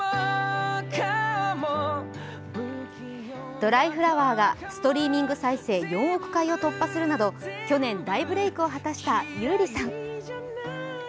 「ドライフラワー」がストリーミング再生４億回を突破するなど去年大ブレークを果たした優里さん。